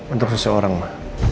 untuk seseorang ma